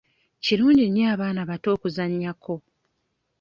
Kirungi nnyo abaana abato okuzannyako.